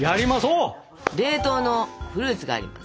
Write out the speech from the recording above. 冷凍のフルーツがあります。